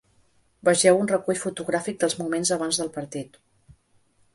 Vegeu un recull fotogràfic dels moments abans del partit.